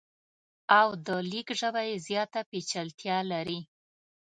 او د لیک ژبه یې زیاته پیچلتیا لري.